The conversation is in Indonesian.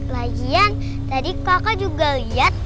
lagian tadi kakak juga lihat